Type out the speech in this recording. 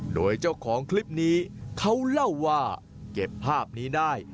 โดยเจ้าของคลิปนี้เขาเล่าว่าเก็บภาพนี้ได้